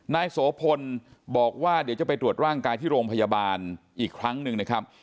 นายโสพลบอกว่าเดี๋ยวจะไปตรวจร่างกายที่โรงพยาบาลอีกครั้งหนึ่งนะครับ